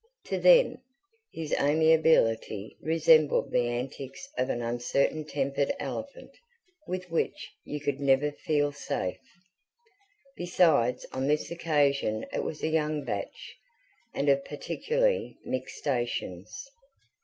To them, his amiability resembled the antics of an uncertain tempered elephant, with which you could never feel safe. Besides on this occasion it was a young batch, and of particularly mixed stations.